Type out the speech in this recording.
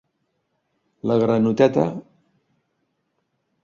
La granoteta...